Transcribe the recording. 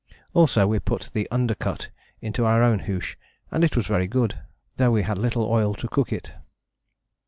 Also we put the undercut into our own hoosh, and it was very good, though we had little oil to cook it.